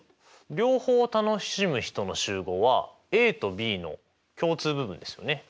両方楽しむ人の集合はＡとＢの共通部分ですよね。